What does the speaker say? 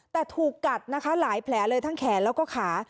แต่ถูกกัดนะคะหลายแผลเลยทั้งแขนแล้วก็ขา